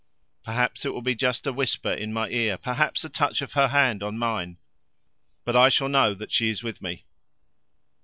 Perhaps it will be just a whisper in my ear, perhaps a touch of her hand on mine, but I shall know that she is with me.'